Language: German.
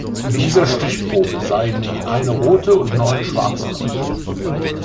In dieser Stichprobe seien nun eine rote und neun schwarze Kugeln.